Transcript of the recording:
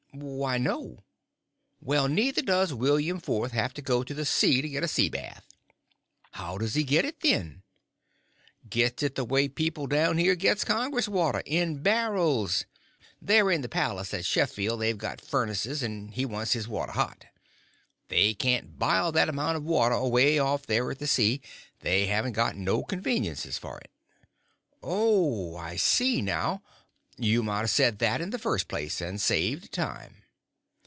"Why, no." "Well, neither does William Fourth have to go to the sea to get a sea bath." "How does he get it, then?" "Gets it the way people down here gets Congress water—in barrels. There in the palace at Sheffield they've got furnaces, and he wants his water hot. They can't bile that amount of water away off there at the sea. They haven't got no conveniences for it." "Oh, I see, now. You might a said that in the first place and saved time."